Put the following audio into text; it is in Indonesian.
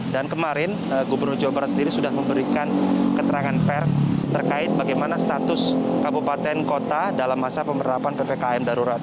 dan kemarin gubernur jawa barat sendiri sudah memberikan keterangan pers terkait bagaimana status kabupaten kota dalam masa pemerintahan ppkm darurat